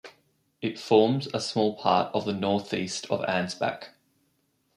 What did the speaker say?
It forms a small part of the north-east of Ansbach.